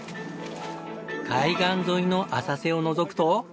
海岸沿いの浅瀬をのぞくと。